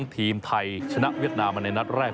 ทีมไทยชนะเวียดนามมาในนัดแรก